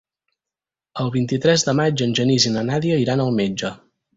El vint-i-tres de maig en Genís i na Nàdia iran al metge.